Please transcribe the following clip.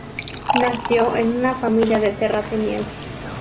Nació en una familia de terratenientes.